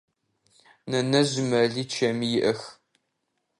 Нэнэжъ мэли чэми иӏэх.